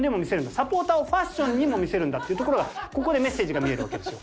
サポーターをファッションにも魅せるんだというところがここでメッセージが見えたわけですよ。